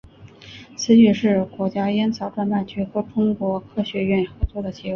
此举是国家烟草专卖局和中国科学院合作的结果。